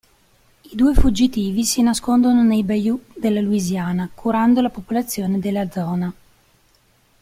I due fuggitivi si nascondono nei bayou della Louisiana, curando la popolazione della zona.